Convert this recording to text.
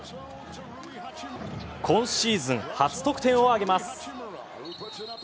今シーズン初得点を挙げます。